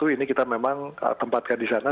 ini kita memang tempatkan di sana